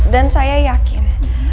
dan saya yakin